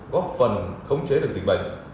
góp phần khống chế được dịch bệnh